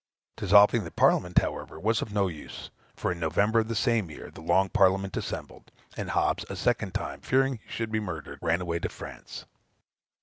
Dissolving the Parliament, however, was of no use; for, in November of the same year, the Long Parliament assembled, and Hobbes, a second time, fearing he should be murdered, ran away to France.